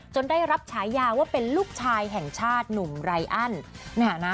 ได้รับฉายาว่าเป็นลูกชายแห่งชาติหนุ่มไรอัน